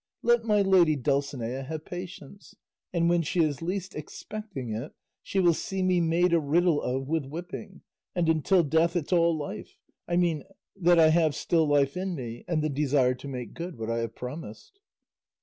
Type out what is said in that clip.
Let my lady Dulcinea have patience, and when she is least expecting it, she will see me made a riddle of with whipping, and 'until death it's all life;' I mean that I have still life in me, and the desire to make good what I have promised."